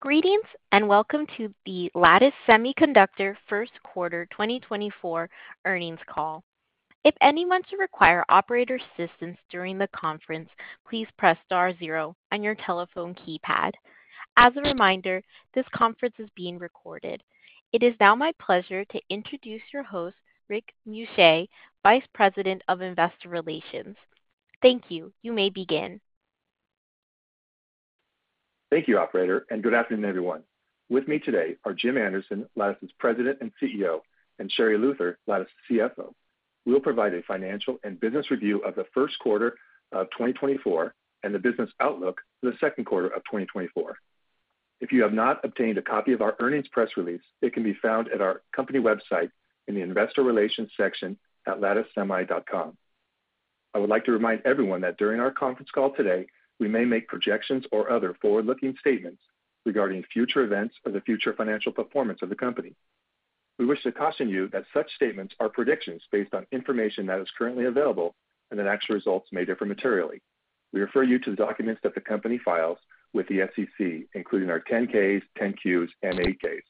Greetings, and welcome to the Lattice Semiconductor Q1 2024 earnings call. If anyone should require operator assistance during the conference, please press star zero on your telephone keypad. As a reminder, this conference is being recorded. It is now my pleasure to introduce your host, Rick Muscha, Vice President of Investor Relations. Thank you. You may begin. Thank you, operator, and good afternoon, everyone. With me today are Jim Anderson, Lattice's President and CEO, and Sherri Luther, Lattice's CFO. We'll provide a financial and business review of the Q1 of 2024, and the business outlook for the Q2 of 2024. If you have not obtained a copy of our earnings press release, it can be found at our company website in the investor relations section at latticesemi.com. I would like to remind everyone that during our conference call today, we may make projections or other forward-looking statements regarding future events or the future financial performance of the company. We wish to caution you that such statements are predictions based on information that is currently available, and that actual results may differ materially. We refer you to the documents that the company files with the SEC, including our 10-Ks, 10-Qs, and 8-Ks.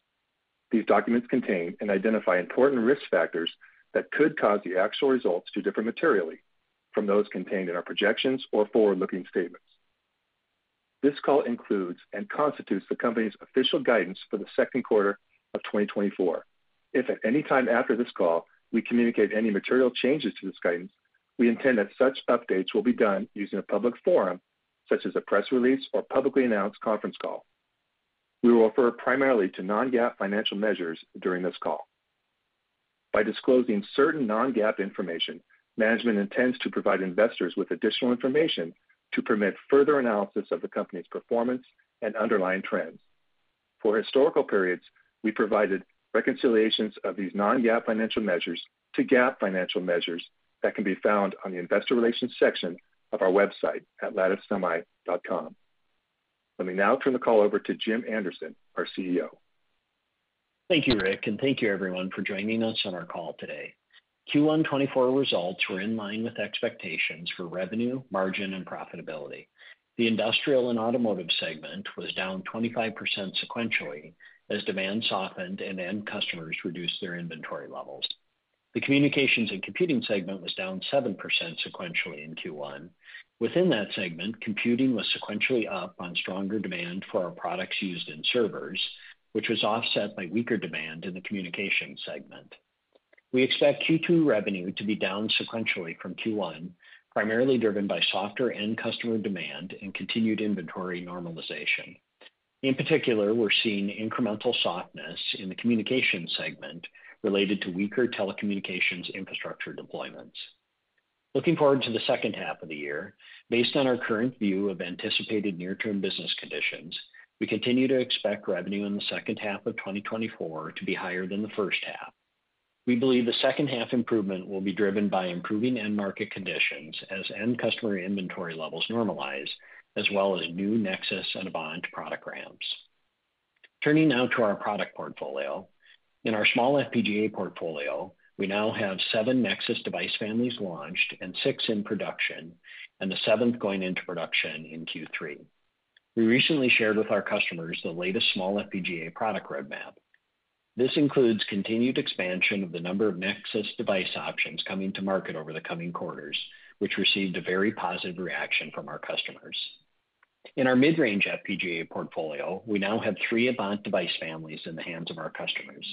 These documents contain and identify important risk factors that could cause the actual results to differ materially from those contained in our projections or forward-looking statements. This call includes and constitutes the company's official guidance for the Q2 of 2024. If at any time after this call we communicate any material changes to this guidance, we intend that such updates will be done using a public forum, such as a press release or publicly announced conference call. We will refer primarily to non-GAAP financial measures during this call. By disclosing certain non-GAAP information, management intends to provide investors with additional information to permit further analysis of the company's performance and underlying trends. For historical periods, we provided reconciliations of these non-GAAP financial measures to GAAP financial measures that can be found on the investor relations section of our website at latticesemi.com. Let me now turn the call over to Jim Anderson, our CEO. Thank you, Rick, and thank you everyone for joining us on our call today. Q1 2024 results were in line with expectations for revenue, margin, and profitability. The industrial and automotive segment was down 25% sequentially, as demand softened and end customers reduced their inventory levels. The communications and computing segment was down 7% sequentially in Q1. Within that segment, computing was sequentially up on stronger demand for our products used in servers, which was offset by weaker demand in the communication segment. We expect Q2 revenue to be down sequentially from Q1, primarily driven by softer end customer demand and continued inventory normalization. In particular, we're seeing incremental softness in the communication segment related to weaker telecommunications infrastructure deployments. Looking forward to the second half of the year, based on our current view of anticipated near-term business conditions, we continue to expect revenue in the second half of 2024 to be higher than the first half. We believe the second half improvement will be driven by improving end market conditions as end customer inventory levels normalize, as well as new Nexus and Avant product ramps. Turning now to our product portfolio. In our small FPGA portfolio, we now have seven Nexus device families launched and six in production, and the 7th going into production in Q3. We recently shared with our customers the latest small FPGA product roadmap. This includes continued expansion of the number of Nexus device options coming to market over the coming quarters, which received a very positive reaction from our customers. In our mid-range FPGA portfolio, we now have three Avant device families in the hands of our customers.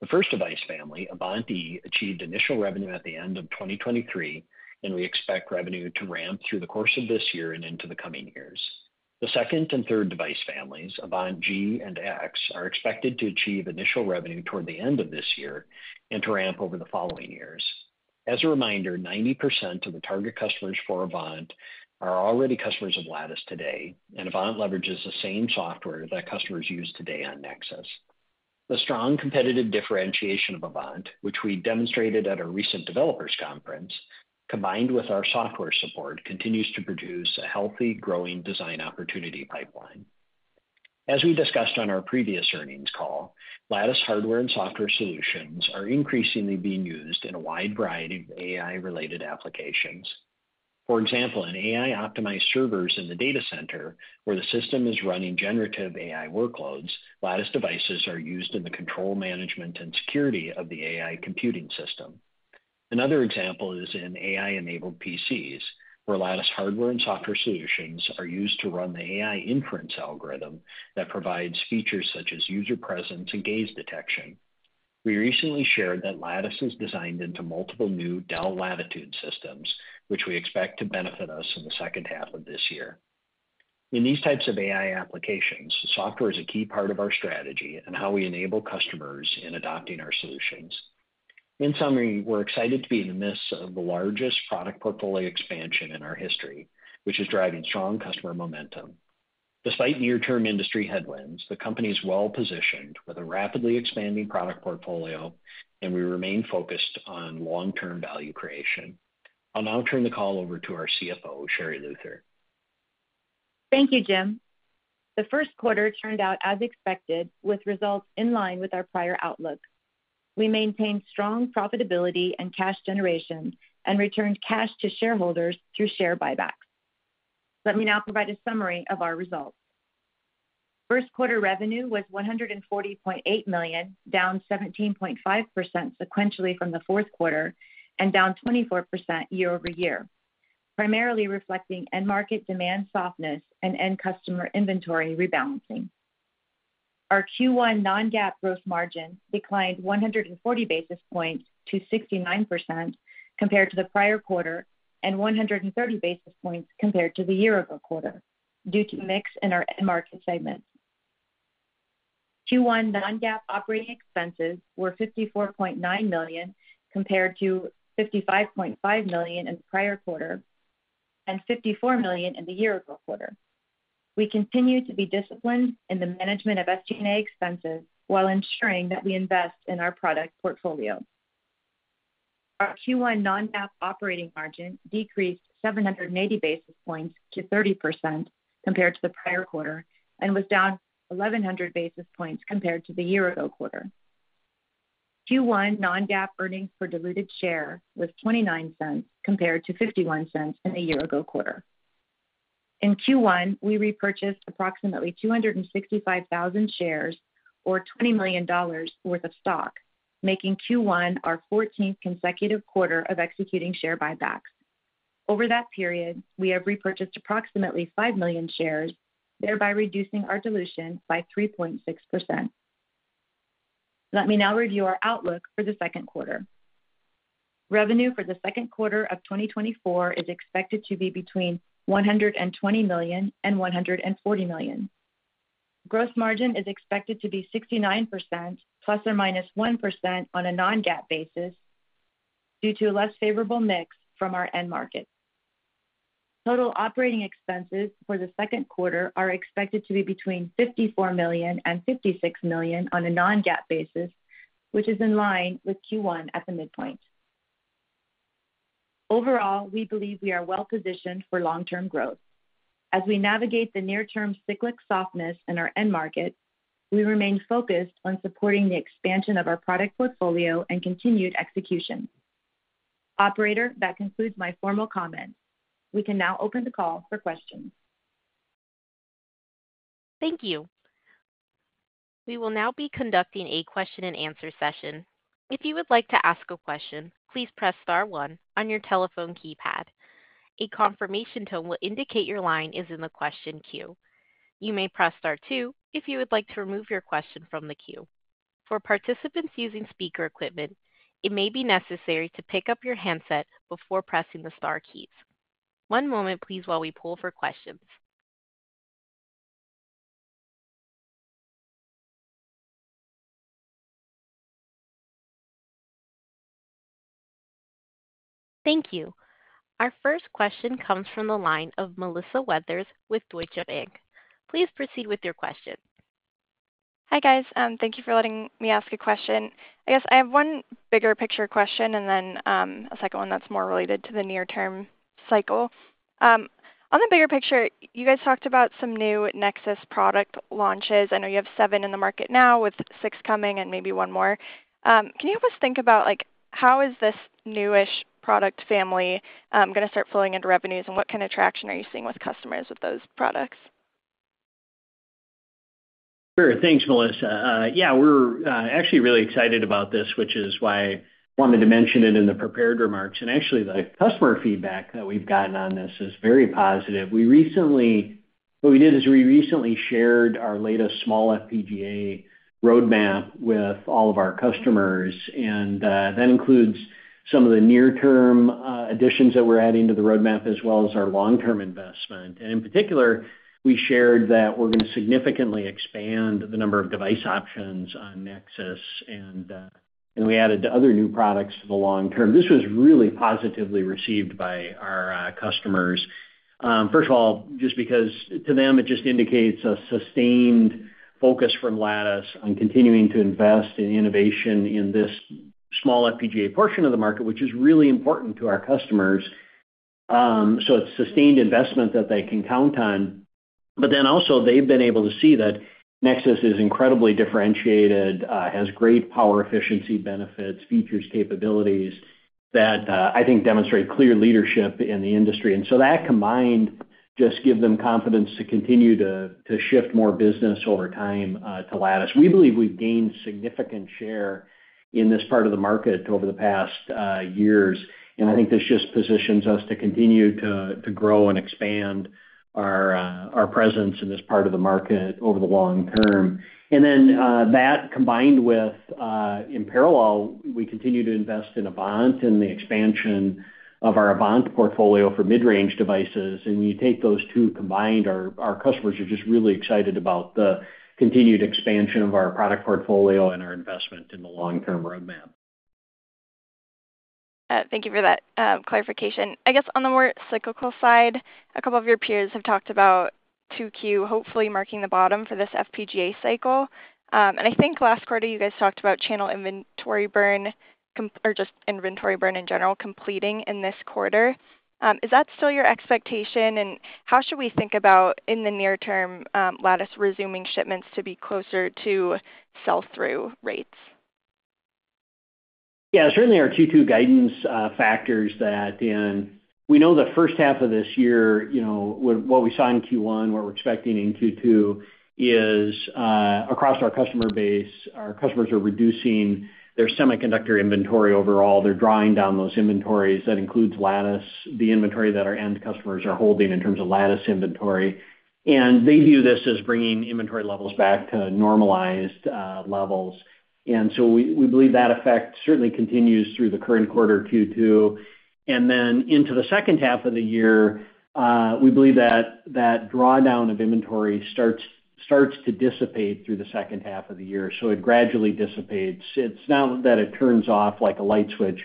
The first device family, Avant E, achieved initial revenue at the end of 2023, and we expect revenue to ramp through the course of this year and into the coming years. The second and third device families, Avant G and X, are expected to achieve initial revenue toward the end of this year and to ramp over the following years. As a reminder, 90% of the target customers for Avant are already customers of Lattice today, and Avant leverages the same software that customers use today on Nexus. The strong competitive differentiation of Avant, which we demonstrated at our recent developers conference, combined with our software support, continues to produce a healthy, growing design opportunity pipeline. As we discussed on our previous earnings call, Lattice hardware and software solutions are increasingly being used in a wide variety of AI-related applications. For example, in AI-optimized servers in the data center, where the system is running generative AI workloads, Lattice devices are used in the control, management, and security of the AI computing system. Another example is in AI-enabled PCs, where Lattice hardware and software solutions are used to run the AI inference algorithm that provides features such as user presence and gaze detection. We recently shared that Lattice is designed into multiple new Dell Latitude systems, which we expect to benefit us in the second half of this year. In these types of AI applications, software is a key part of our strategy and how we enable customers in adopting our solutions. In summary, we're excited to be in the midst of the largest product portfolio expansion in our history, which is driving strong customer momentum. Despite near-term industry headwinds, the company is well positioned with a rapidly expanding product portfolio, and we remain focused on long-term value creation. I'll now turn the call over to our CFO, Sherri Luther. Thank you, Jim. The Q1 turned out as expected, with results in line with our prior outlook. We maintained strong profitability and cash generation and returned cash to shareholders through share buybacks. Let me now provide a summary of our results. Q1 revenue was $140.8 million, down 17.5% sequentially from the Q4 and down 24% year-over-year, primarily reflecting end market demand softness and end customer inventory rebalancing. Our Q1 non-GAAP gross margin declined 140 basis points to 69% compared to the prior quarter, and 130 basis points compared to the year ago quarter due to mix in our end market segments. Q1 non-GAAP operating expenses were $54.9 million, compared to $55.5 million in the prior quarter and $54 million in the year ago quarter. We continue to be disciplined in the management of SG&A expenses while ensuring that we invest in our product portfolio. Our Q1 non-GAAP operating margin decreased 780 basis points to 30% compared to the prior quarter, and was down 1,100 basis points compared to the year ago quarter. Q1 non-GAAP earnings per diluted share was $0.29 compared to $0.51 in the year ago quarter. In Q1, we repurchased approximately 265,000 shares or $20 million worth of stock, making Q1 our 14th consecutive quarter of executing share buybacks. Over that period, we have repurchased approximately 5 million shares, thereby reducing our dilution by 3.6%. Let me now review our outlook for the Q2. Revenue for the Q2 of 2024 is expected to be between $120 million and $140 million. Gross margin is expected to be 69% ±1% on a non-GAAP basis due to a less favorable mix from our end markets. Total operating expenses for the Q2 are expected to be between $54 million and $56 million on a non-GAAP basis, which is in line with Q1 at the midpoint. Overall, we believe we are well positioned for long-term growth. As we navigate the near-term cyclic softness in our end market, we remain focused on supporting the expansion of our product portfolio and continued execution. Operator, that concludes my formal comments. We can now open the call for questions. Thank you. We will now be conducting a question-and-answer session. If you would like to ask a question, please press star one on your telephone keypad. A confirmation tone will indicate your line is in the question queue. You may press star two if you would like to remove your question from the queue. For participants using speaker equipment, it may be necessary to pick up your handset before pressing the star keys. One moment, please, while we pull for questions. Thank you. Our first question comes from the line of Melissa Weathers with Deutsche Bank. Please proceed with your question. Hi, guys, thank you for letting me ask a question. I guess I have one bigger picture question and then a second one that's more related to the near-term cycle. On the bigger picture, you guys talked about some new Nexus product launches i know you have seven in the market now, with six coming and maybe one more. Can you help us think about? like, how is this newish product family going to start flowing into revenues, and what kind of traction are you seeing with customers with those products? Thanks, Melissa. We're actually really excited about this, which is why I wanted to mention it in the prepared remarks and actually, the customer feedback that we've gotten on this is very positive. We recently shared our latest small FPGA roadmap with all of our customers. That includes some of the near-term additions that we're adding to the roadmap, as well as our long-term investment. In particular, we shared that we're going to significantly expand the number of device options on Nexus, and we added the other new products to the long term. This was really positively received by our customers. First of all, just because to them, it just indicates a sustained focus from Lattice on continuing to invest in innovation in this small FPGA portion of the market, which is really important to our customers. It's sustained investment that they can count on. Then also they've been able to see that Nexus is incredibly differentiated, has great power efficiency benefits, features, capabilities that I think demonstrate clear leadership in the industry that combined. Just give them confidence to continue to shift more business over time to Lattice. We believe we've gained significant share in this part of the market over the past years, and I think this just positions us to continue to grow and expand our presence in this part of the market over the long term. That combined with, in parallel, we continue to invest in Avant and the expansion of our Avant portfolio for mid-range devices. When you take those two combined, our, our customers are just really excited about the continued expansion of our product portfolio and our investment in the long-term roadmap. Thank you for that, clarification. I guess on the more cyclical side, a couple of your peers have talked about Q2, hopefully marking the bottom for this FPGA cycle. And I think last quarter, you guys talked about channel inventory burn, or just inventory burn in general, completing in this quarter. Is that still your expectation? And how should we think about, in the near term, Lattice resuming shipments to be closer to sell-through rates? Certainly our Q2 guidance factors that in. We know the first half of this year, you know, what we saw in Q1, what we're expecting in Q2, is across our customer base, our customers are reducing their semiconductor inventory overall they're drawing down those inventories that includes Lattice, the inventory that our end customers are holding in terms of Lattice inventory, they view this as bringing inventory levels back to normalized levels. We believe that effect certainly continues through the current quarter, Q2. Then into the second half of the year, we believe that that drawdown of inventory starts to dissipate through the second half of the year it gradually dissipates. It's not that it turns off like a light switch,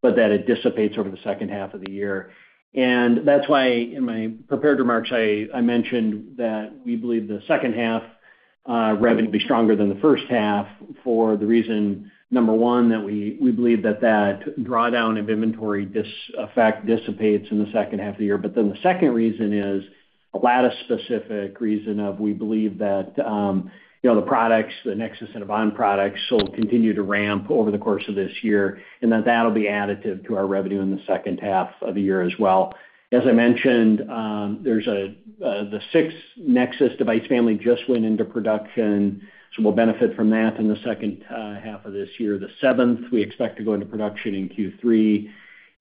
but that it dissipates over the second half of the year. That's why, in my prepared remarks, I mentioned that we believe the second half revenue will be stronger than the first half for the reason, number one, that we believe that that drawdown of inventory effect dissipates in the second half of the year. Then the second reason is a Lattice-specific reason of we believe that, you know, the products, the Nexus and Avant products, will continue to ramp over the course of this year, and that that'll be additive to our revenue in the second half of the year as well. As I mentioned, there's the 6th Nexus device family just went into production, so we'll benefit from that in the second half of this year. The 7th, we expect to go into production in Q3,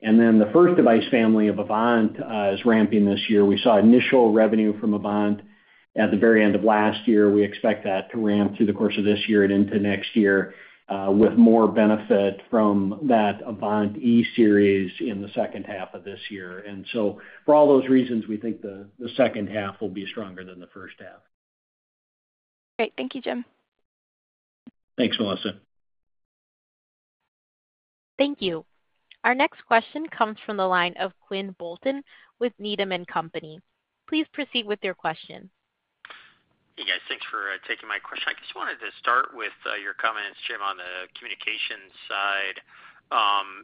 and then the first device family of Avant is ramping this year we saw initial revenue from Avant at the very end of last year we expect that to ramp through the course of this year and into next year, with more benefit from that Avant E-Series in the second half of this year. For all those reasons, we think the second half will be stronger than the first half. Great. Thank you, Jim. Thanks, Melissa. Thank you. Our next question comes from the line of Quinn Bolton with Needham and Company. Please proceed with your question. Thanks for taking my question. I just wanted to start with your comments, Jim, on the communications side.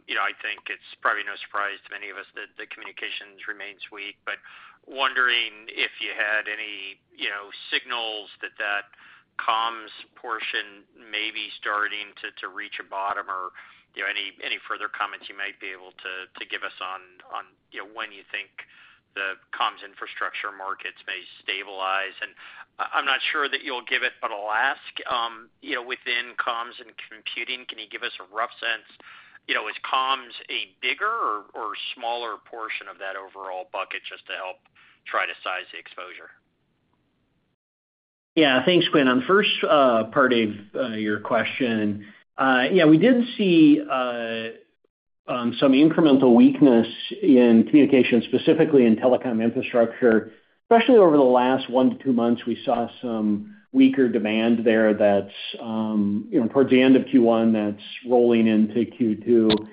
You know, I think it's probably no surprise to many of us that the communications remains weak, but wondering if you had any, you know, signals that that comms portion may be starting to reach a bottom or, you know, any further comments you might be able to give us on, you know, when you think the comms infrastructure markets may stabilize. And I'm not sure that you'll give it, but I'll ask. You know, within comms and computing, can you give us a rough sense, you know, is comms a bigger or smaller portion of that overall bucket, just to help try to size the exposure? Thanks, Quinn. On the first part of your question, yeah, we did see some incremental weakness in communication, specifically in telecom infrastructure. Especially over the last 1-2 months, we saw some weaker demand there that's, you know, towards the end of Q1, that's rolling into Q2.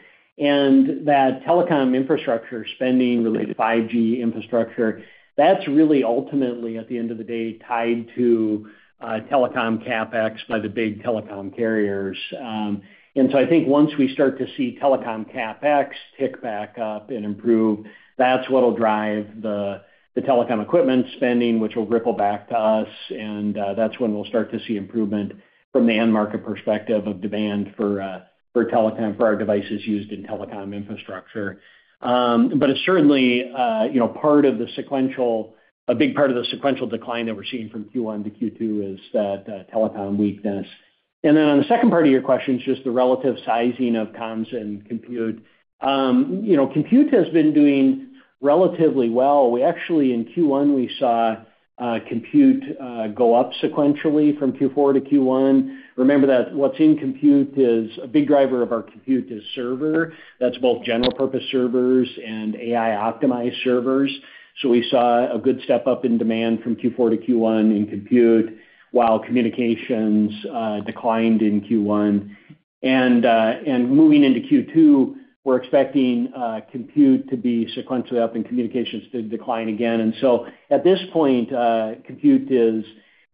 That telecom infrastructure spending related to 5G infrastructure, that's really ultimately, at the end of the day, tied to telecom CapEx by the big telecom carriers. I think once we start to see telecom CapEx tick back up and improve, that's what'll drive the telecom equipment spending, which will ripple back to us, and that's when we'll start to see improvement from the end market perspective of demand for telecom, for our devices used in telecom infrastructure. Certainly, you know, a big part of the sequential decline that we're seeing from Q1-Q2 is that telecom weakness. And then on the second part of your question, just the relative sizing of comms and compute. You know, compute has been doing relatively well. We actually, in Q1, we saw compute go up sequentially from Q4-Q1. Remember that what's in compute is, a big driver of our compute is server. That's both general purpose servers and AI-optimized servers. We saw a good step up in demand from Q4-Q1 in compute, while communications declined in Q1. And moving into Q2, we're expecting compute to be sequentially up and communications to decline again. At this point, compute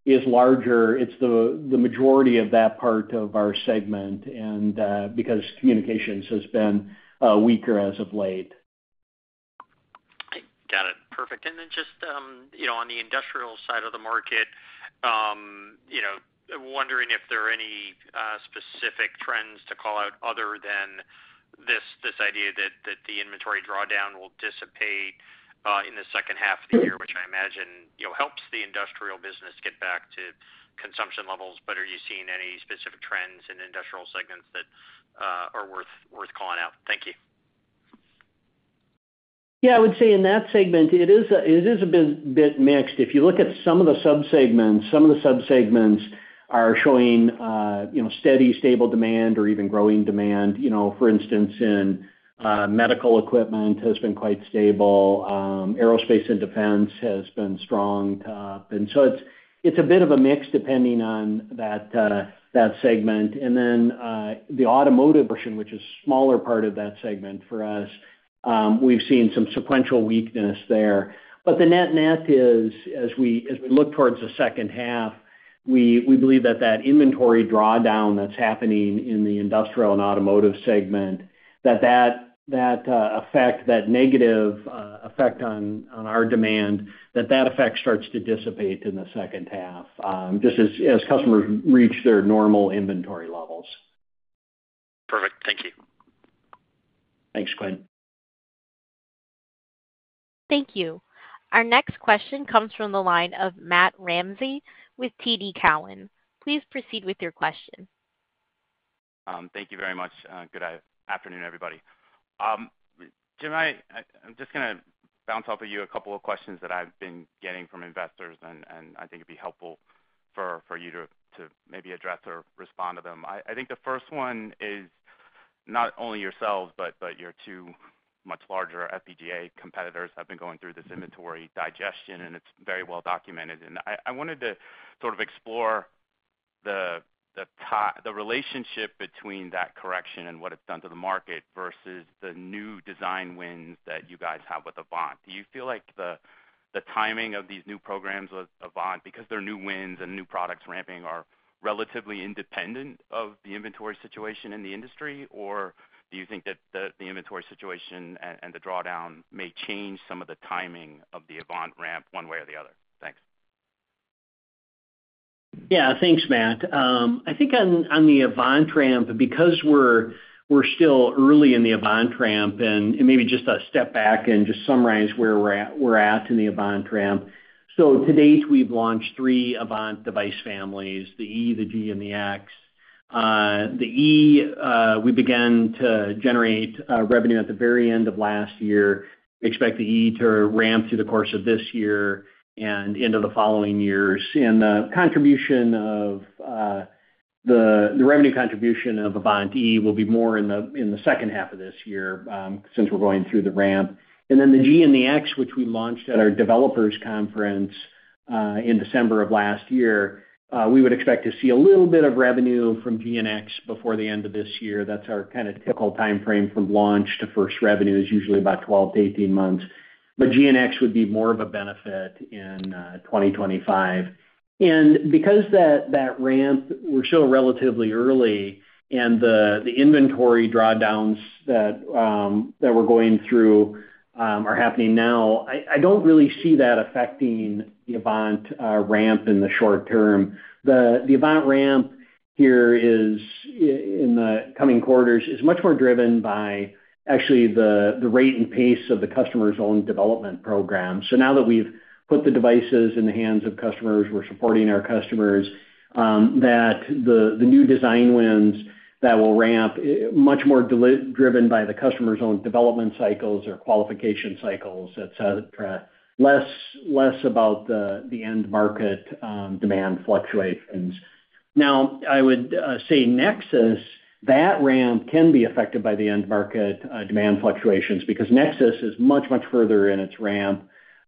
is larger. It's the majority of that part of our segment, and because communications has been weaker as of late. I got it. Perfect. Then just, you know, on the industrial side of the market, you know, wondering if there are any specific trends to call out other than this idea that the inventory drawdown will dissipate in the second half of the year, which I imagine, you know, helps the industrial business get back to consumption levels but are you seeing any specific trends in industrial segments that are worth calling out? Thank you. I would say in that segment, it is a bit mixed. If you look at some of the sub-segments, some of the sub-segments are showing, you know, steady, stable demand or even growing demand. You know, for instance, in medical equipment has been quite stable, aerospace and defense has been strong. It's a bit of a mix, depending on that segment. Then, the automotive portion, which is a smaller part of that segment for us, we've seen some sequential weakness there. But the net-net is, as we look towards the second half, we believe that that inventory drawdown that's happening in the industrial and automotive segment, that effect, that negative effect on our demand, that that effect starts to dissipate in the second half, just as customers reach their normal inventory levels. Thank you. Our next question comes from the line of Matt Ramsay with TD Cowen. Please proceed with your question. Thank you very much. Good afternoon, everybody. Jim, I'm just gonna bounce off of you a couple of questions that I've been getting from investors, and I think it'd be helpful for you to maybe address or respond to them i think the first one is not only yourselves, but your two much larger FPGA competitors have been going through this inventory digestion, and it's very well documented. I wanted to sort of explore the relationship between that correction and what it's done to the market versus the new design wins that you guys have with Avant. Do you feel like the timing of these new programs with Avant, because they're new wins and new products ramping, are relatively independent of the inventory situation in the industry? Or do you think that the inventory situation and the drawdown may change some of the timing of the Avant ramp one way or the other? Thanks. Thanks, Matt. I think on the Avant ramp, because we're still early in the Avant ramp, and maybe just a step back and just summarize where we're at in the Avant ramp. To date, we've launched three Avant device families, the E, the G, and the X. The E, we began to generate revenue at the very end of last year. Expect the E to ramp through the course of this year and into the following years. The contribution of the revenue contribution of Avant E will be more in the second half of this year, since we're going through the ramp. And then the G and the X, which we launched at our developers conference in December of last year, we would expect to see a little bit of revenue from G and X before the end of this year that's our kind of typical timeframe from launch to first revenue is usually about 12-18 months. But G and X would be more of a benefit in 2025. Because that ramp, we're still relatively early, and the inventory drawdowns that we're going through are happening now, I don't really see that affecting the Avant ramp in the short term. The Avant ramp here is in the coming quarters, is much more driven by actually the rate and pace of the customer's own development program. Now that we've put the devices in the hands of customers, we're supporting our customers that the new design wins that will ramp in much more detail driven by the customer's own development cycles or qualification cycles, et cetera. Less about the end market demand fluctuations. Now, I would say Nexus, that ramp can be affected by the end-market demand fluctuations because Nexus is much further in its ramp.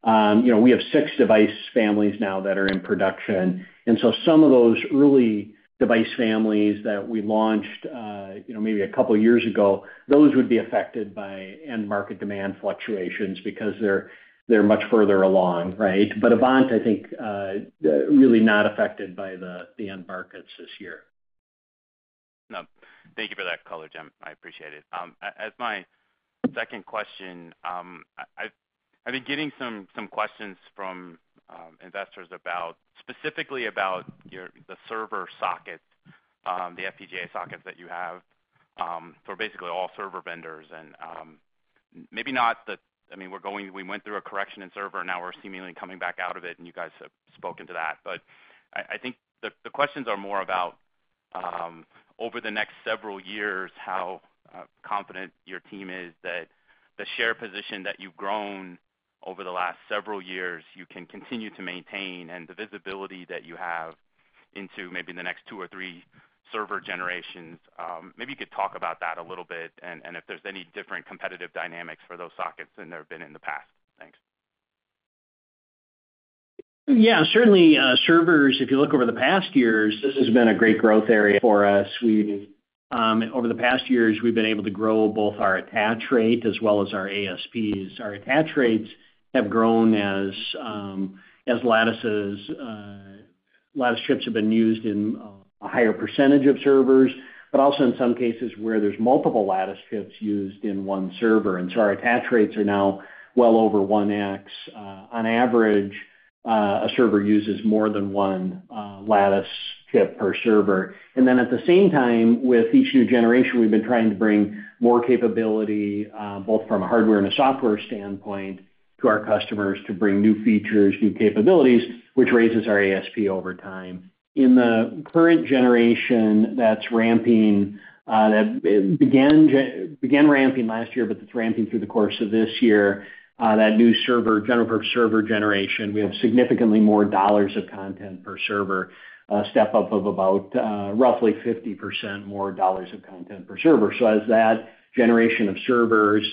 We have six device families now that are in production, and so some of those early device families that we launched, you know, maybe a couple of years ago, those would be affected by end-market demand fluctuations because they're much further along, right? But Avant, I think, really not affected by the end markets this year. Thank you for that color, Jim. I appreciate it. As my second question, I've been getting some questions from investors about, specifically about your - the server sockets, the FPGA sockets that you have for basically all server vendors. And, maybe not the... I mean, we're going - we went through a correction in server, now we're seemingly coming back out of it, and you guys have spoken to that. I think the questions are more about, over the next several years, how confident your team is that the share position that you've grown over the last several years you can continue to maintain, and the visibility that you have into maybe the next two or three server generations. Maybe you could talk about that a little bit, and if there's any different competitive dynamics for those sockets than there have been in the past. Thanks. Yeah, certainly, servers, if you look over the past years, this has been a great growth area for us. We, over the past years, we've been able to grow both our attach rate as well as our ASPs. Our attach rates have grown as, as Lattice's, Lattice chips have been used in, a higher percentage of servers, but also in some cases where there's multiple Lattice chips used in one server our attach rates are now well over 1x. On average, a server uses more than one, Lattice chip per server. Then, at the same time, with each new generation, we've been trying to bring more capability, both from a hardware and a software standpoint, to our customers to bring new features, new capabilities, which raises our ASP over time. In the current generation that's ramping, that began ramping last year, but it's ramping through the course of this year, that new server, general server generation, we have significantly more dollars of content per server, a step up of about, roughly 50% more dollars of content per server. As that generation of servers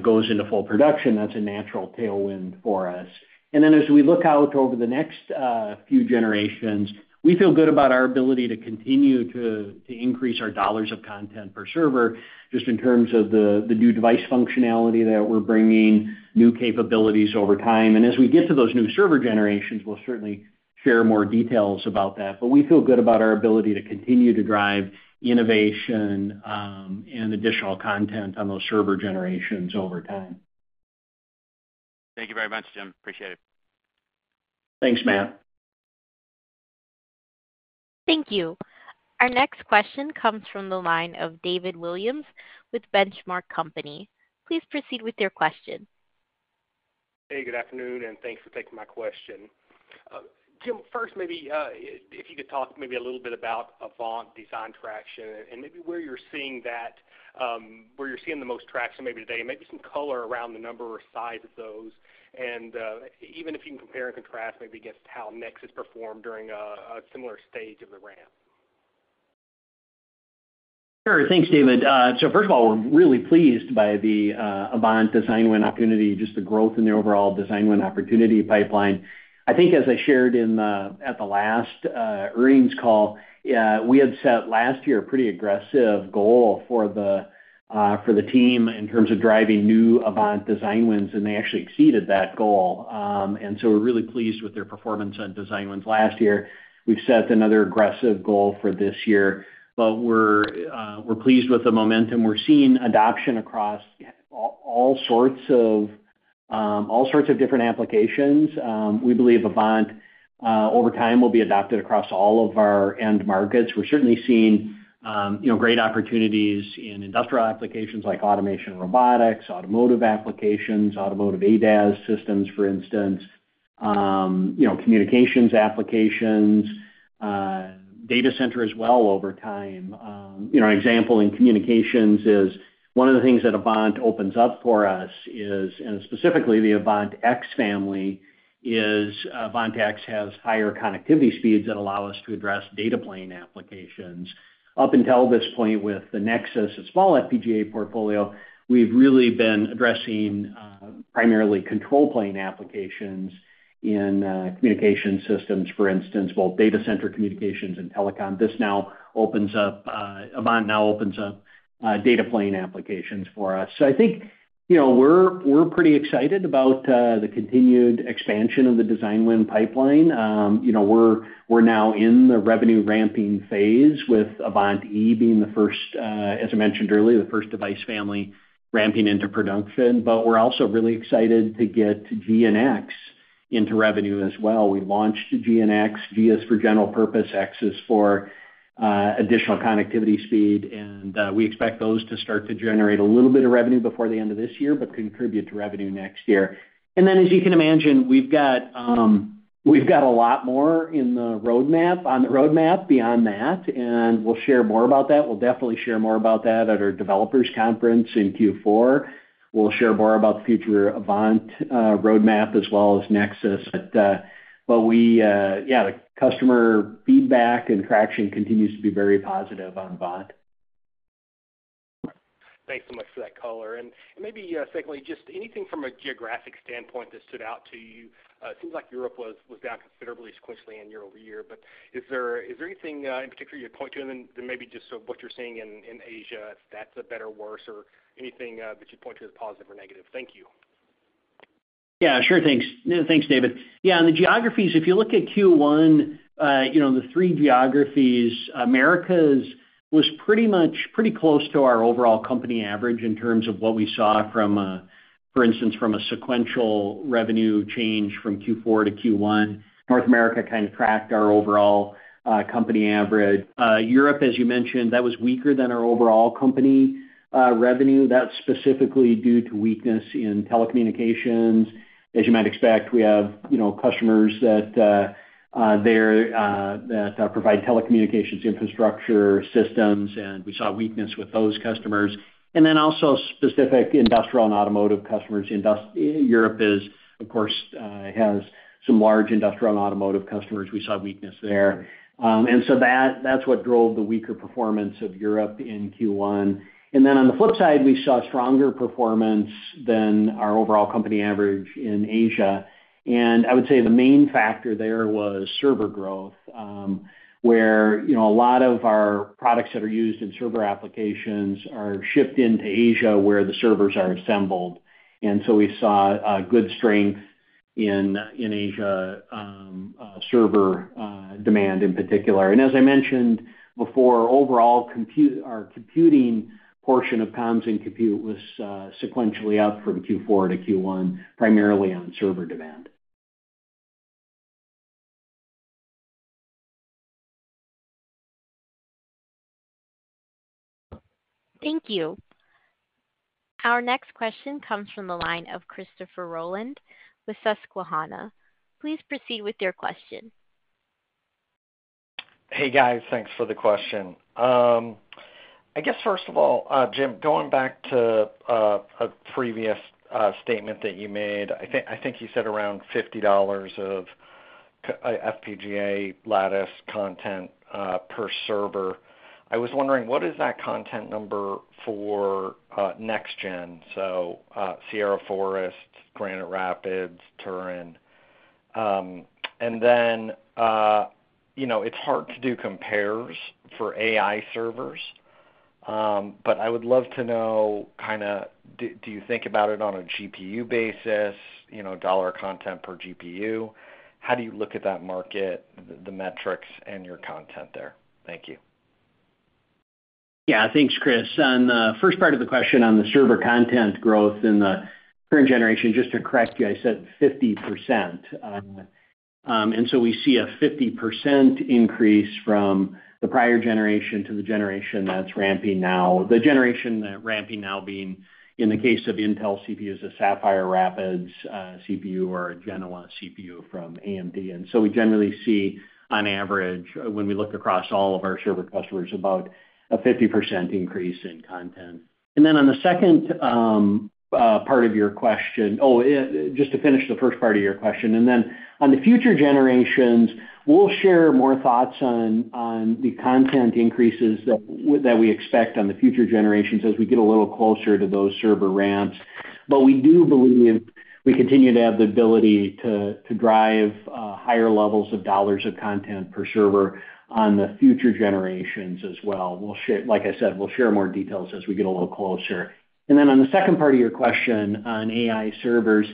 goes into full production, that's a natural tailwind for us. Then as we look out over the next few generations, we feel good about our ability to continue to increase our dollars of content per server, just in terms of the new device functionality that we're bringing, new capabilities over time as we get to those new server generations, we'll certainly share more details about that we feel good about our ability to continue to drive innovation, and additional content on those server generations over time. Thank you very much, Jim. Appreciate it. Thanks, Matt. ... Thank you. Our next question comes from the line of David Williams with Benchmark Company. Please proceed with your question. Hey, good afternoon, and thanks for taking my question. Jim, first, maybe if you could talk maybe a little bit about Avant design traction and maybe where you're seeing that, where you're seeing the most traction maybe today, and maybe some color around the number or size of those. Even if you can compare and contrast, maybe against how Nexus performed during a similar stage of the ramp. Thanks, David. So first of all, we're really pleased by the Avant design win opportunity, just the growth in the overall design win opportunity pipeline. I think as I shared in the at the last earnings call, we had set last year a pretty aggressive goal for the for the team in terms of driving new Avant design wins, and they actually exceeded that goal. We're really pleased with their performance on design wins last year. We've set another aggressive goal for this year. We're pleased with the momentum we're seeing adoption across all sorts of all sorts of different applications. We believe Avant over time will be adopted across all of our end markets we're certainly seeing, you know, great opportunities in industrial applications like automation, robotics, automotive applications, automotive ADAS systems, for instance, you know, communications applications, data center as well over time. An example in communications is one of the things that Avant opens up for us is, and specifically the Avant X family, is, Avant X has higher connectivity speeds that allow us to address data plane applications. Up until this point, with the Nexus, a small FPGA portfolio, we've really been addressing, primarily control plane applications in, communication systems, for instance, both data center communications and telecom. This now opens up, Avant now opens up, data plane applications for us. I think, you know, we're, we're pretty excited about, the continued expansion of the design win pipeline. You know, we're now in the revenue ramping phase with Avant E being the first, as I mentioned earlier, the first device family ramping into production. We're also really excited to get G and X into revenue as well. We launched G and X. G is for general purpose, X is for additional connectivity speed, and we expect those to start to generate a little bit of revenue before the end of this year, but contribute to revenue next year. Then, as you can imagine, we've got a lot more in the roadmap, on the roadmap beyond that, and we'll share more about that we'll definitely share more about that at our developers conference in Q4. We'll share more about the future Avant roadmap as well as Nexus. But we, yeah, the customer feedback and traction continues to be very positive on Avant. Thanks so much for that color. Maybe, secondly, just anything from a geographic standpoint that stood out to you? It seems like Europe was down considerably, sequentially and year over year. But is there anything in particular you'd point to? then, maybe just so what you're seeing in Asia, if that's better or worse, or anything that you'd point to as positive or negative. Thank you. Thanks, David. Yeah, on the geographies, if you look at Q1, you know, the three geographies, Americas was pretty much pretty close to our overall company average in terms of what we saw from, for instance, from a sequential revenue change from Q4-Q1. North America kind of tracked our overall, company average. Europe, as you mentioned, that was weaker than our overall company, revenue. That's specifically due to weakness in telecommunications. As you might expect, we have, you know, customers that provide telecommunications infrastructure systems, and we saw weakness with those customers. Then also specific industrial and automotive customers. Europe is, of course, has some large industrial and automotive customers we saw weakness there. That's what drove the weaker performance of Europe in Q1. Then, on the flip side, we saw stronger performance than our overall company average in Asia. I would say the main factor there was server growth, where, you know, a lot of our products that are used in server applications are shipped into Asia, where the servers are assembled. We saw a good strength in Asia, server demand in particular. As I mentioned before, overall, our computing portion of comms and compute was sequentially up from Q4 to Q1, primarily on server demand. Thank you. Our next question comes from the line of Christopher Rolland with Susquehanna. Please proceed with your question. Thanks for the question. I guess, first of all, Jim, going back to a previous statement that you made, I think you said around $50 of FPGA Lattice content per server. I was wondering, what is that content number for next gen? So, Sierra Forest, Granite Rapids, Turin. Then, you know, it's hard to do compares for AI servers, but I would love to know kind of do you think about it on a GPU basis, you know, dollar content per GPU? How do you look at that market, the metrics and your content there? Thank you. Thanks, Chris. On the first part of the question, on the server content growth in the current generation, just to correct you, I said 50%. We see a 50% increase from the prior generation to the generation that's ramping now. The generation that ramping now being, in the case of Intel CPUs, a Sapphire Rapids CPU, or a Genoa CPU from AMD we generally see, on average, when we look across all of our server customers, about a 50% increase in content. Then on the second part of your question, just to finish the first part of your question, and then on the future generations, we'll share more thoughts on the content increases that we expect on the future generations as we get a little closer to those server ramps. But we do believe we continue to have the ability to drive higher levels of dollars of content per server on the future generations as well, we'll share, like I said, we'll share more details as we get a little closer. And then on the second part of your question on AI servers,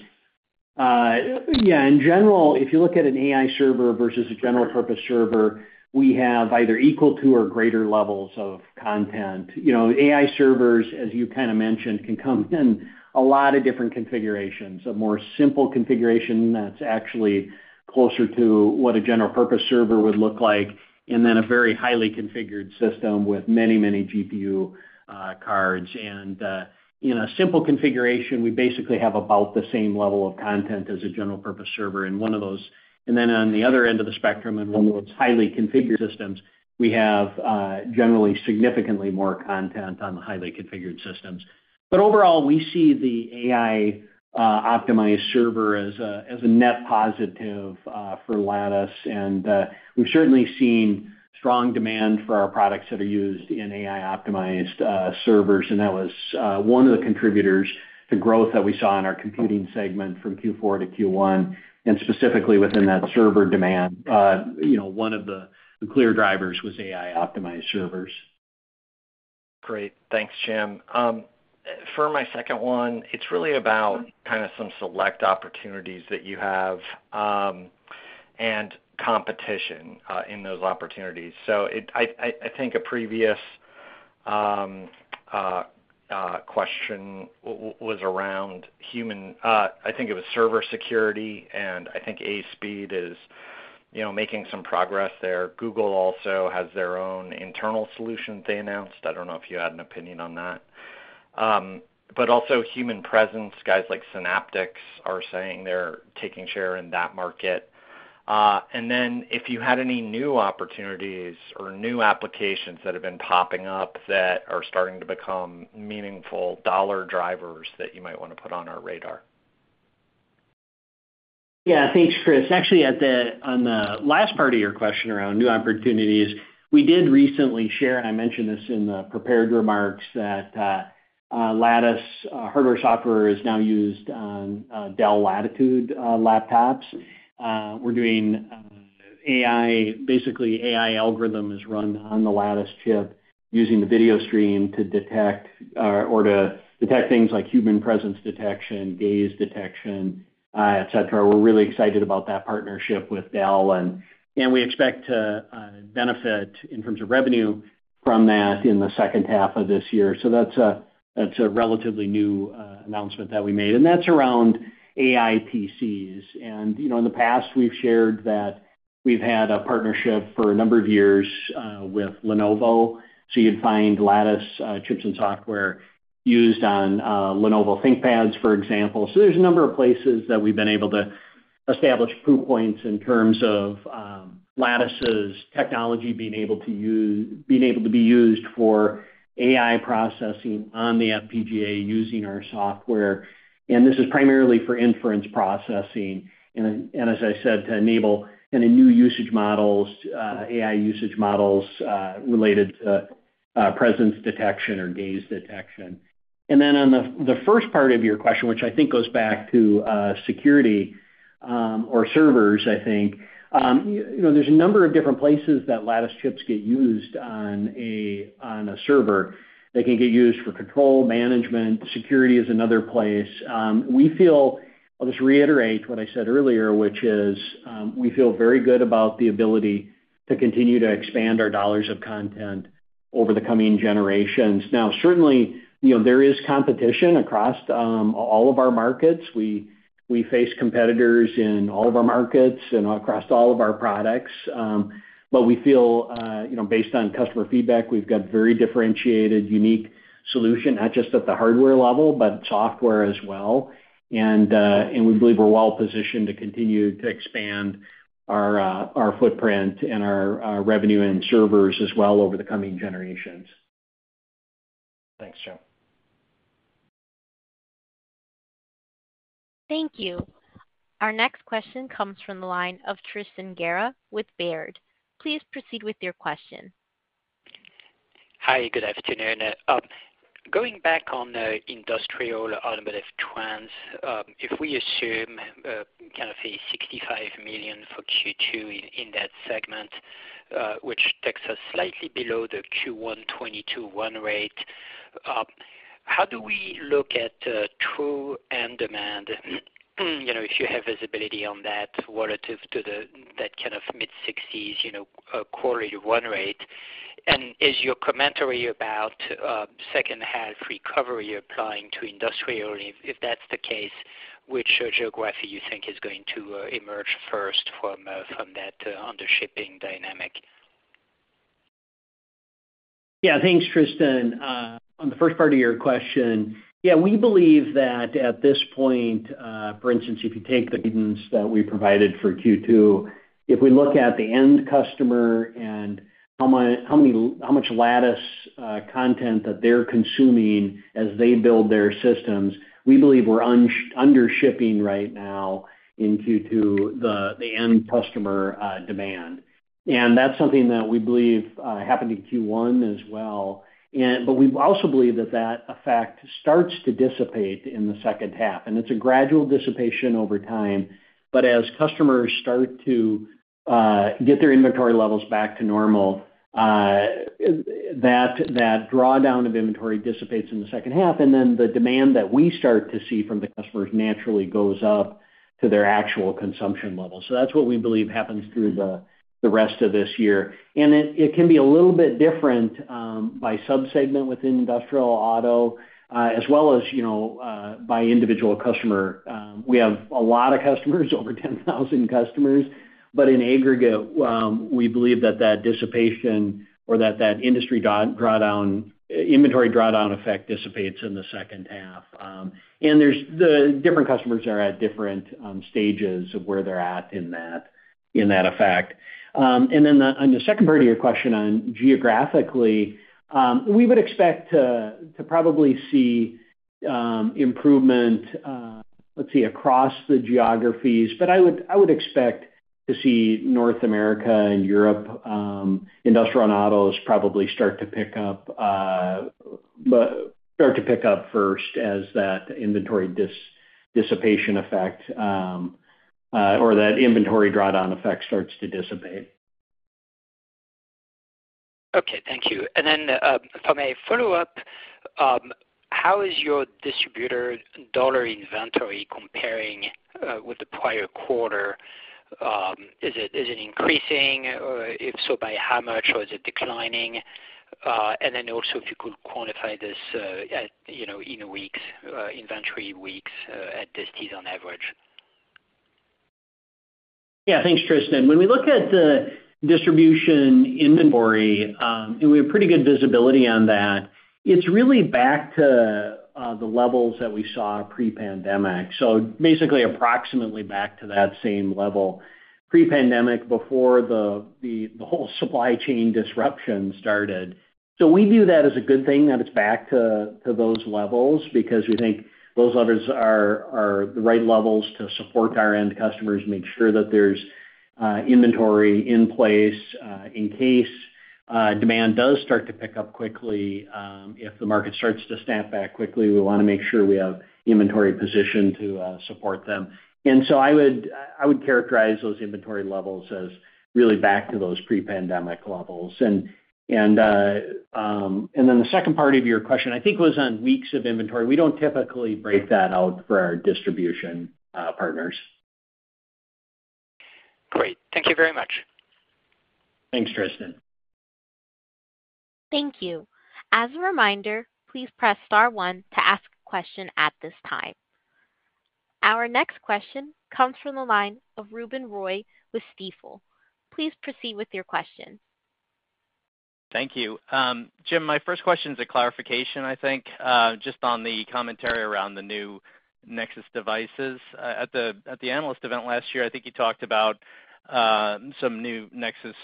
yeah, in general, if you look at an AI server versus a general purpose server, we have either equal to or greater levels of content. You know, AI servers, as you kind of mentioned, can come in a lot of different configurations. A more simple configuration that's actually closer to what a general purpose server would look like, and then a very highly configured system with many, many GPU cards. In a simple configuration, we basically have about the same level of content as a general purpose server in one of those. And then on the other end of the spectrum, in one of those highly configured systems, we have generally significantly more content on the highly configured systems. Overall, we see the AI optimized server as a net positive for Lattice, and we've certainly seen strong demand for our products that are used in AI optimized servers that was one of the contributors to growth that we saw in our computing segment from Q4-Q1, and specifically within that server demand. You know, one of the clear drivers was AI optimized servers. Great. Thanks, Jim. For my second one, it's really about kind of some select opportunities that you have, and competition in those opportunities. I think a previous question was around human... I think it was server security, and I think ASPEED is, you know, making some progress there. Google also has their own internal solutions they announced. I don't know if you had an opinion on that. But also human presence, guys like Synaptics are saying they're taking share in that market. Then if you had any new opportunities or new applications that have been popping up that are starting to become meaningful dollar drivers that you might want to put on our radar. Thanks, Chris. Actually, on the last part of your question around new opportunities, we did recently share, and I mentioned this in the prepared remarks, that Lattice hardware software is now used on Dell Latitude laptops. We're doing AI, basically. AI algorithm is run on the Lattice chip, using the video stream to detect things like human presence detection, gaze detection, et cetera. We're really excited about that partnership with Dell, and we expect to benefit in terms of revenue from that in the second half of this year that's a relatively new announcement that we made, and that's around AI PCs. In the past, we've shared that we've had a partnership for a number of years with Lenovo. You'd find Lattice chips and software used on Lenovo ThinkPads, for example there's a number of places that we've been able to establish proof points in terms of Lattice's technology being able to be used for AI processing on the FPGA using our software. And this is primarily for inference processing, and as I said, to enable kind of new usage models, AI usage models related to presence detection or gaze detection. Then on the first part of your question, which I think goes back to security or servers I think, you know, there's a number of different places that Lattice chips get used on a server. They can get used for control, management. Security is another place. We feel... I'll just reiterate what I said earlier, which is, we feel very good about the ability to continue to expand our dollars of content over the coming generations. Certainly, you know, there is competition across all of our markets. We face competitors in all of our markets and across all of our products. We feel, you know, based on customer feedback, we've got very differentiated, unique solution, not just at the hardware level, but software as well. We believe we're well positioned to continue to expand our footprint and our revenue and servers as well over the coming generations. Thanks, Jim. Thank you. Our next question comes from the line of Tristan Gerra with Baird. Please proceed with your question. Hi, good afternoon. Going back on the industrial automotive trends, if we assume kind of a $65 million for Q2 in that segment, which takes us slightly below the Q1 22.1 rate... How do we look at true end demand? You know, if you have visibility on that relative to that kind of mid-60s, you know, Q1 rate. Is your commentary about second half recovery applying to industrial? If that's the case, which geography you think is going to emerge first from that undershipping dynamic? Thanks, Tristan. On the first part of your question, yeah, we believe that at this point, for instance, if you take the guidance that we provided for Q2, if we look at the end customer and how much Lattice content that they're consuming as they build their systems, we believe we're undershipping right now into the end customer demand. That's something that we believe happened in Q1 as well. But we also believe that that effect starts to dissipate in the second half, and it's a gradual dissipation over time. But as customers start to get their inventory levels back to normal, that drawdown of inventory dissipates in the second half, and then the demand that we start to see from the customers naturally goes up to their actual consumption level that's what we believe happens through the rest of this year. And it can be a little bit different by sub-segment within industrial auto as well as, you know, by individual customer. We have a lot of customers, over 10,000 customers, but in aggregate, we believe that that dissipation or that industry drawdown, inventory drawdown effect dissipates in the second half. There's. The different customers are at different stages of where they're at in that effect. And then on the second part of your question on geographically, we would expect to probably see improvement, let's see, across the geographies. But I would expect to see North America and Europe, industrial and autos probably start to pick up, Start to pick up first as that inventory dissipation effect, or that inventory drawdown effect starts to dissipate. Okay, thank you. Then, from a follow-up, how is your distributor dollar inventory comparing with the prior quarter? Is it increasing? Or if by how much, or is it declining? then also, if you could quantify this, you know, in weeks, inventory weeks, at this season on average? Thanks, Tristan. When we look at the distribution inventory, and we have pretty good visibility on that, it's really back to the levels that we saw pre-pandemic. Basically, approximately back to that same level, pre-pandemic, before the whole supply chain disruption started. We view that as a good thing, that it's back to those levels because we think those levels are the right levels to support our end customers, make sure that there's inventory in place, in case demand does start to pick up quickly. If the market starts to snap back quickly, we wanna make sure we have inventory position to support them. I would characterize those inventory levels as really back to those pre-pandemic levels. Then the second part of your question, I think, was on weeks of inventory we don't typically break that out for our distribution partners. Great. Thank you very much. Thanks, Tristan. Thank you. As a reminder, please press star one to ask a question at this time. Our next question comes from the line of Ruben Roy with Stifel. Please proceed with your question. Thank you. Jim, my first question is a clarification, I think, just on the commentary around the new Nexus devices. At the analyst event last year, I think you talked about some new Nexus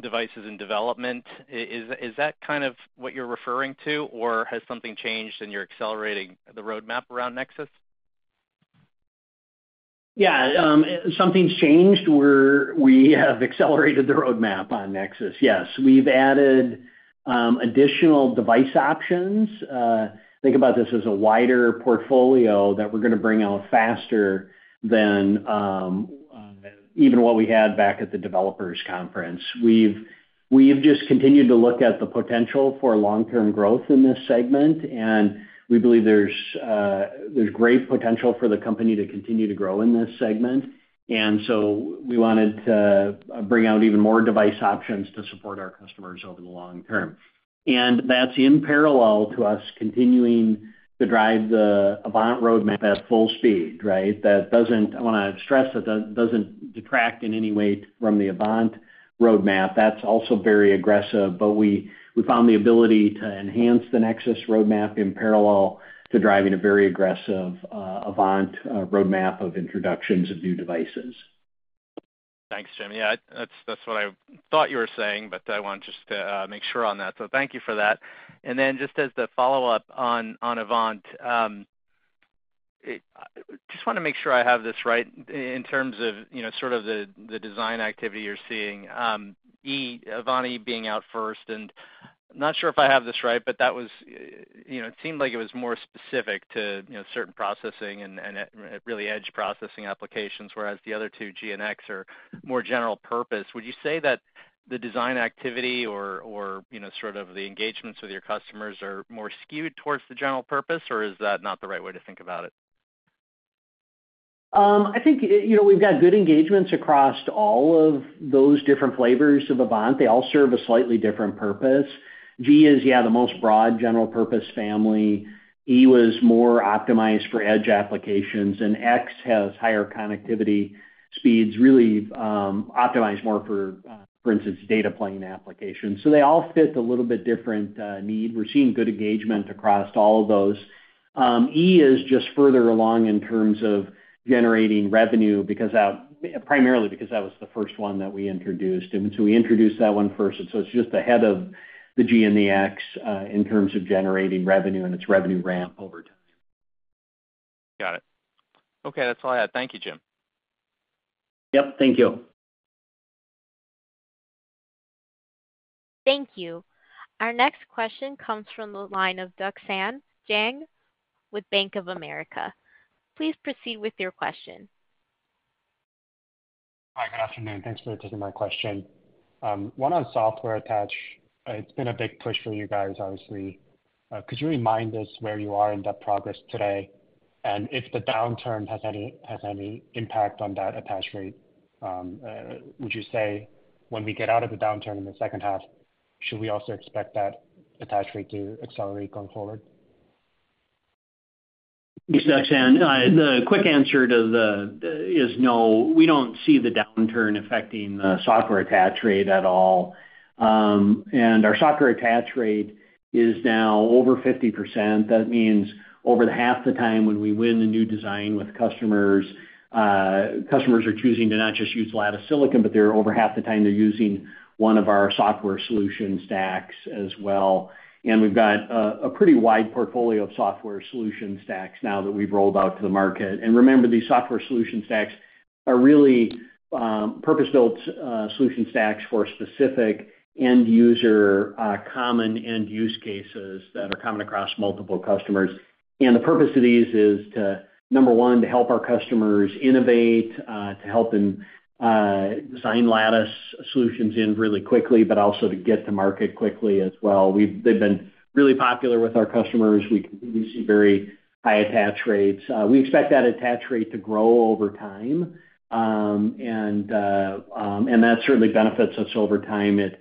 devices in development. Is that kind of what you're referring to, or has something changed and you're accelerating the roadmap around Nexus? Something's changed, where we have accelerated the roadmap on Nexus. Yes, we've added additional device options. Think about this as a wider portfolio that we're gonna bring out faster than even what we had back at the developers conference. We've just continued to look at the potential for long-term growth in this segment, we believe there's great potential for the company to continue to grow in this segment, we wanted to bring out even more device options to support our customers over the long term. That's in parallel to us continuing to drive the Avant roadmap at full speed, right? That doesn't... I wanna stress that that doesn't detract in any way from the Avant roadmap. That's also very aggressive, but we found the ability to enhance the Nexus roadmap in parallel to driving a very aggressive Avant roadmap of introductions of new devices. Thanks, Jim. That's what I thought you were saying, but I want just to make sure on that. So thank you for that. Then just as the follow-up on Avant, just wanna make sure I have this right in terms of, you know, sort of the design activity you're seeing. Avant E being out first, and not sure if I have this right, but that was, you know, it seemed like it was more specific to, you know, certain processing and at really edge processing applications, whereas the other two, G and X, are more general purpose. Would you say that the design activity or, you know, sort of the engagements with your customers are more skewed towards the general purpose, or is that not the right way to think about it? You know, we've got good engagements across all of those different flavors of Avant they all serve a slightly different purpose. G is the most broad, general-purpose family. E was more optimized for edge applications, and X has higher connectivity speeds, really, optimized more for, for instance, data plane applications. They all fit a little bit different need. We're seeing good engagement across all of those. E is just further along in terms of generating revenue, primarily, because that was the first one that we introduced, and so we introduced that one first, and so it's just ahead of the G and the X, in terms of generating revenue and its revenue ramp over time. Got it. Okay, that's all I had. Thank you, Jim. Yep, thank you. Thank you. Our next question comes from the line of Duksan Jang with Bank of America. Please proceed with your question. Thanks for taking my question. One on software attach. It's been a big push for you guys, obviously. Could you remind us where you are in that progress today? If the downturn has any impact on that attach rate, would you say when we get out of the downturn in the second half, should we also expect that attach rate to accelerate going forward? The quick answer to the is no, we don't see the downturn affecting the software attach rate at all. Our software attach rate is now over 50%. That means over half the time when we win a new design with customers, customers are choosing to not just use Lattice Silicon, but they're over half the time, they're using one of our software solution stacks as well. We've got a pretty wide portfolio of software solution stacks now that we've rolled out to the market. Remember, these software solution stacks are really, purpose-built solution stacks for specific end user common end use cases that are coming across multiple customers. The purpose of these is to, number one, to help our customers innovate, to help them design Lattice solutions in really quickly, but also to get to market quickly as well. They've been really popular with our customers. We see very high attach rates. We expect that attach rate to grow over time. That certainly benefits us over time. It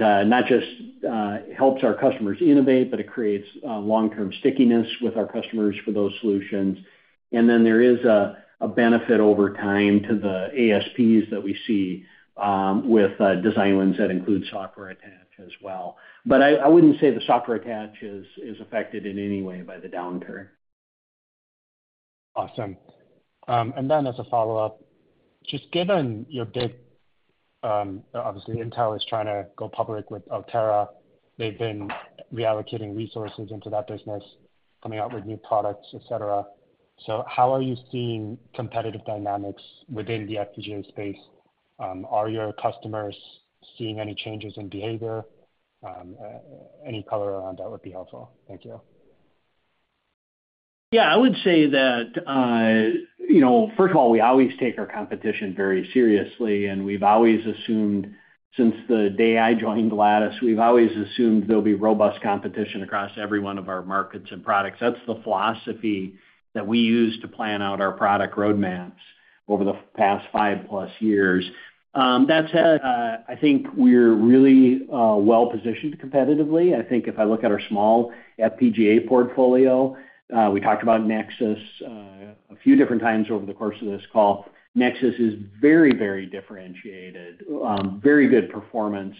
not just helps our customers innovate, but it creates long-term stickiness with our customers for those solutions. Then there is a benefit over time to the ASPs that we see with design wins that include software attach as well. But I wouldn't say the software attach is affected in any way by the downturn. Awesome. Then as a follow-up, just given your big... Obviously, Intel is trying to go public with Altera. They've been reallocating resources into that business, coming out with new products, et cetera. How are you seeing competitive dynamics within the FPGA space? Are your customers seeing any changes in behavior? Any color around that would be helpful. Thank you. I would say that, you know, first of all, we always take our competition very seriously, and we've always assumed, since the day I joined Lattice, we've always assumed there'll be robust competition across every one of our markets and products t.hat's the philosophy that we use to plan out our product roadmaps over the past 5+ years. That said, I think we're really well-positioned competitively. I think if I look at our small FPGA portfolio. We talked about Nexus a few different times over the course of this call. Nexus is very, very differentiated, very good performance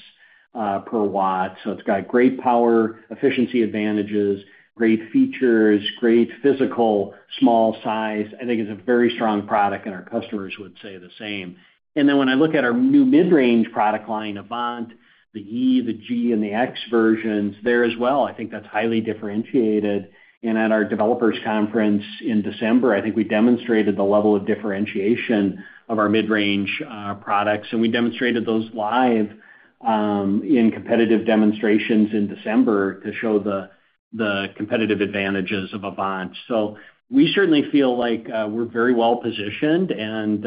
per watt, it's got great power efficiency advantages, great features, great physical small size. I think it's a very strong product, and our customers would say the same. Then when I look at our new mid-range product line, Avant, the E, the G, and the X versions, there as well, I think that's highly differentiated. And at our developers conference in December, I think we demonstrated the level of differentiation of our mid-range products, and we demonstrated those live in competitive demonstrations in December to show the competitive advantages of Avant. We certainly feel like we're very well-positioned, and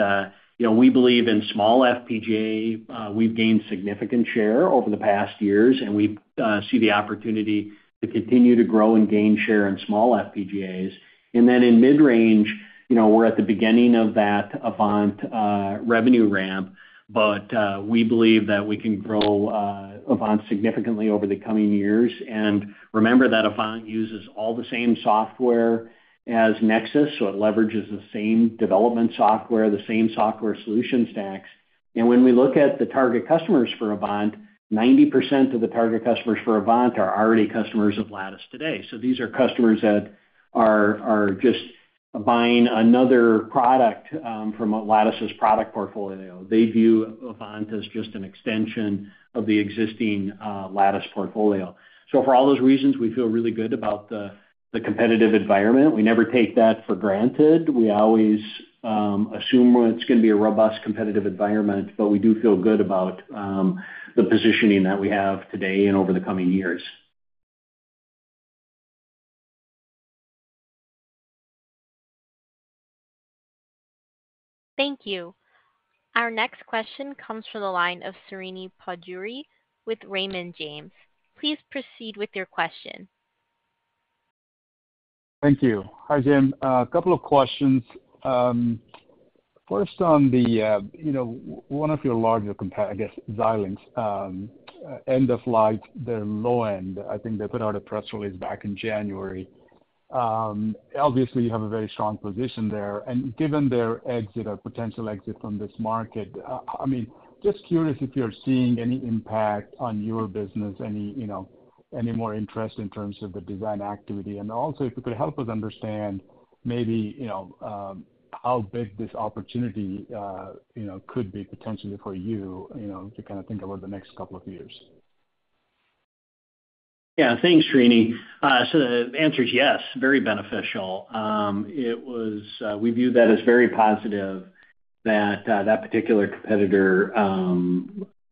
you know, we believe in small FPGA. We've gained significant share over the past years, and we see the opportunity to continue to grow and gain share in small FPGAs. Then in mid-range, you know, we're at the beginning of that Avant revenue ramp, but we believe that we can grow Avant significantly over the coming years. Remember that Avant uses all the same software as Nexus, so it leverages the same development software, the same software solution stacks. When we look at the target customers for Avant, 90% of the target customers for Avant are already customers of Lattice today. These are customers that are just buying another product from Lattice's product portfolio. They view Avant as just an extension of the existing Lattice portfolio. For all those reasons, we feel really good about the competitive environment. We never take that for granted. We always assume it's gonna be a robust competitive environment, but we do feel good about the positioning that we have today and over the coming years. Thank you. Our next question comes from the line of Srini Pajjuri with Raymond James. Please proceed with your question. Jim. A couple of questions. First, on the, you know, one of your larger, I guess, Xilinx end of life, their low end. I think they put out a press release back in January. Obviously, you have a very strong position there, and given their exit or potential exit from this market, I mean, just curious if you're seeing any impact on your business, any, you know, any more interest in terms of the design activity? Also, if you could help us understand maybe, you know, how big this opportunity, you know, could be potentially for you, you know, to kind of think about the next couple of years. Thanks, Srini. The answer is yes, very beneficial. It was, we viewed that as very positive that, that particular competitor,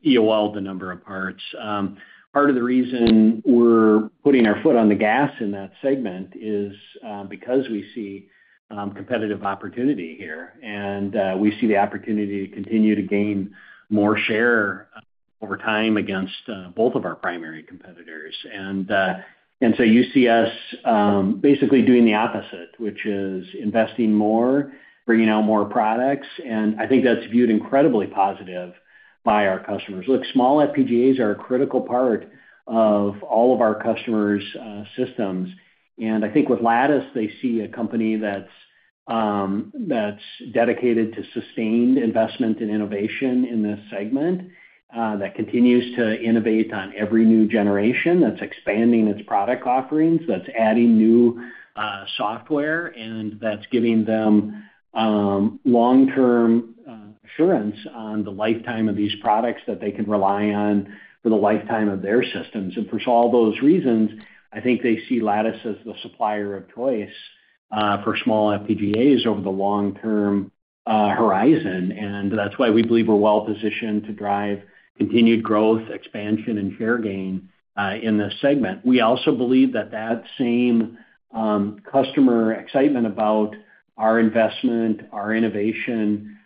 EOLed the number of parts. Part of the reason we're putting our foot on the gas in that segment is, because we see, competitive opportunity here, and, we see the opportunity to continue to gain more share over time against, both of our primary competitors. You see us, basically doing the opposite, which is investing more, bringing out more products, and I think that's viewed incredibly positive by our customers. Look, small FPGAs are a critical part of all of our customers', systems. I think with Lattice, they see a company that's dedicated to sustained investment and innovation in this segment, that continues to innovate on every new generation, that's expanding its product offerings, that's adding new software, and that's giving them long-term assurance on the lifetime of these products that they can rely on for the lifetime of their systems and for all those reasons. I think they see Lattice as the supplier of choice for small FPGAs over the long-term horizon, and that's why we believe we're well positioned to drive continued growth, expansion, and share gain in this segment. We also believe that that same customer excitement about our investment, our innovation,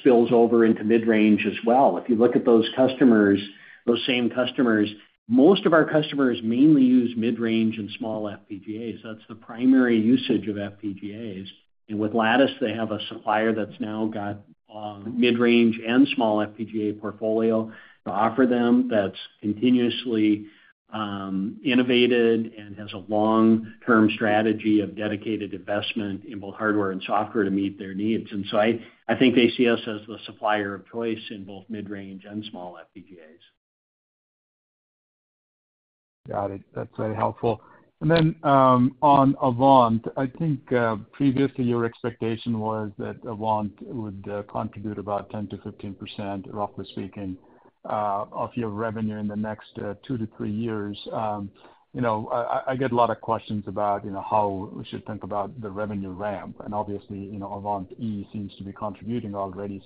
spills over into mid-range as well if you look at those customers, those same customers, most of our customers mainly use mid-range and small FPGAs that's the primary usage of FPGAs. With Lattice, they have a supplier that's now got mid-range and small FPGA portfolio to offer them, that's continuously innovated and has a long-term strategy of dedicated investment in both hardware and software to meet their neTeds. I think they see us as the supplier of choice in both mid-range and small FPGAs. Got it. That's very helpful. Then, on Avant, I think, previously, your expectation was that Avant would, contribute about 10%-15%, roughly speaking, of your revenue in the next, 2-3 years. You know, I, I get a lot of questions about, you know, how we should think about the revenue ramp, and obviously, you know, Avant E seems to be contributing already.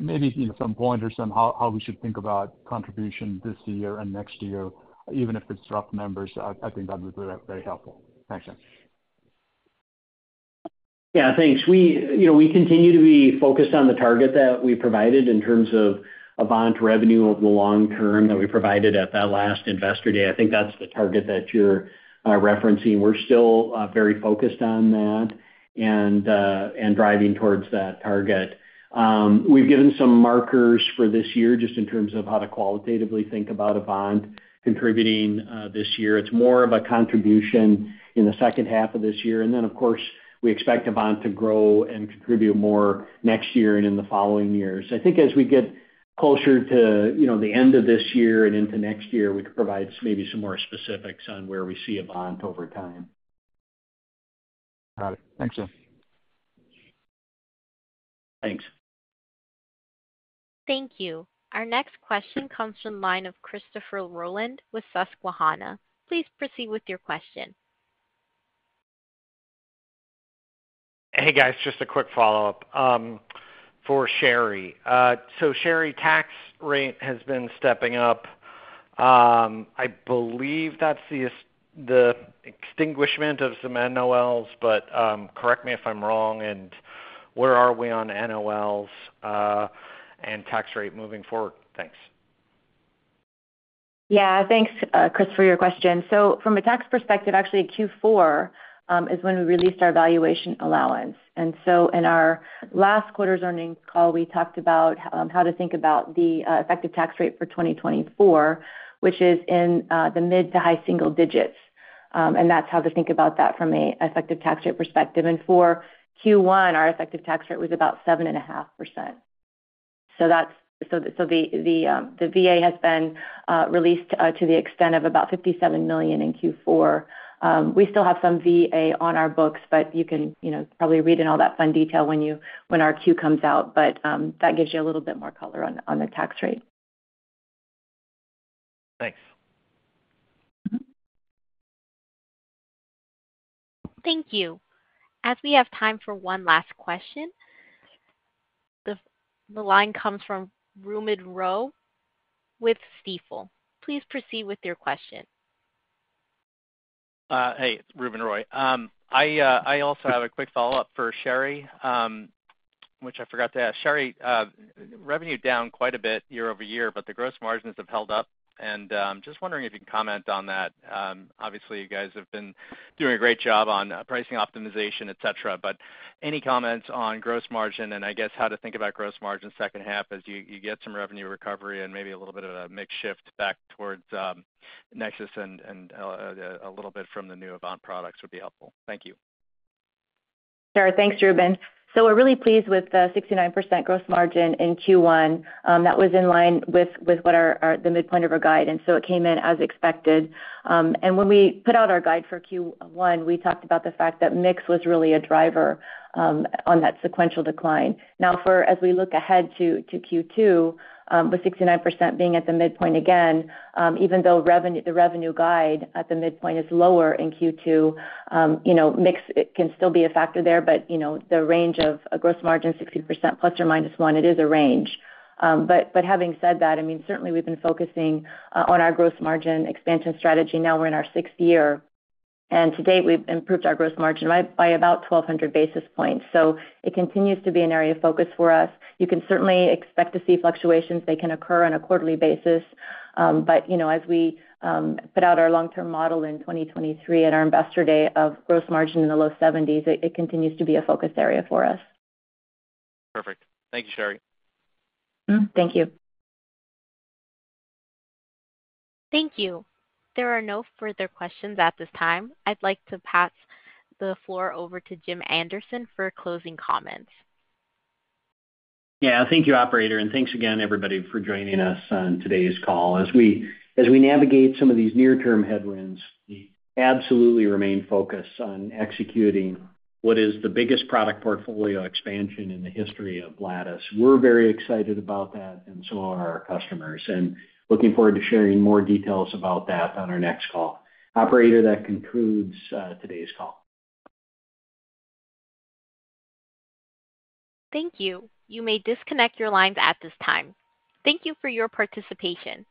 Maybe, you know, some point or some how, how we should think about contribution this year and next year, even if it's rough numbers, I, I think that would be very helpful. Thanks. Thanks. You know, we continue to be focused on the target that we provided in terms of Avant revenue over the long term that we provided at that last Investor Day i think that's the target that you're referencing we're still very focused on that and driving towards that target. We've given some markers for this year just in terms of how to qualitatively think about Avant contributing this year. It's more of a contribution. In the second half of this year, and then, of course, we expect Avant to grow and contribute more next year and in the following years. I think as we get closer to, you know, the end of this year and into next year, we can provide maybe some more specifics on where we see Avant over time. Got it. Thanks, Jim. Thanks. Thank you. Our next question comes from line of Christopher Rolland with Susquehanna. Please proceed with your question. Hey, guys, just a quick follow-up for Sherri. Sherri, tax rate has been stepping up. I believe that's the extinguishment of some NOLs, but correct me if I'm wrong, and where are we on NOLs and tax rate moving forward? Thanks. Thanks, Chris, for your question. From a tax perspective, actually Q4 is when we released our valuation allowance. In our last quarter's earnings call, we talked about how to think about the effective tax rate for 2024, which is in the mid- to high-single digits, and that's how to think about that from a effective tax rate perspect ive. For Q1, our effective tax rate was about 7.5%. That's the VA has been released to the extent of about $57 million in Q4. We still have some VA on our books, but you can, you know, probably read in all that fun detail when our Q comes out. That gives you a little bit more color on the tax rate. Thanks. Mm-hmm. Thank you. As we have time for one last question, the line comes from Ruben Roy with Stifel. Please proceed with your question. It's Ruben Roy. I also have a quick follow-up for Sherri, which I forgot to ask. Sherri, revenue down quite a bit year-over-year, but the gross margins have held up, and just wondering if you can comment on that. Obviously, you guys have been doing a great job on pricing optimization, et cetera, but any comments on gross margin? And I guess how to think about gross margin second half as you get some revenue recovery and maybe a little bit of a mix shift back towards Nexus and a little bit from the new Avant products would be helpful. Thank you. Sure. Thanks, Ruben. We're really pleased with the 69% gross margin in Q1. That was in line with the midpoint of our guide, and so it came in as expected. When we put out our guide for Q1, we talked about the fact that mix was really a driver on that sequential decline. Now, as we look ahead to Q2, with 69% being at the midpoint again, even though the revenue guide at the midpoint is lower in Q2, you know, mix it can still be a factor there, but you know, the range of a gross margin, 60% ±1%, it is a range. But having said that, I mean, certainly we've been focusing on our gross margin expansion strategy now we're in our sixth year, and to date, we've improved our gross margin by about 1,200 basis points. It continues to be an area of focus for us. You can certainly expect to see fluctuations they can occur on a quarterly basis. You know, as we put out our long-term model in 2023 at our Investor Day of gross margin in the low 70s, it continues to be a focus area for us. Perfect. Thank you, Sherri. Mm-hmm. Thank you. Thank you. There are no further questions at this time. I'd like to pass the floor over to Jim Anderson for closing comments. Thank you, operator, and thanks again, everybody, for joining us on today's call. As we navigate some of these near-term headwinds, we absolutely remain focused on executing what is the biggest product portfolio expansion in the history of Lattice. We're very excited about that, and so are our customers, and looking forward to sharing more details about that on our next call. Operator, that concludes today's call. Thank you. You may disconnect your lines at this time. Thank you for your participation.